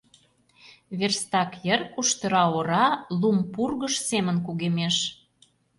Верстак йыр куштыра ора лум пургыж семын кугемеш.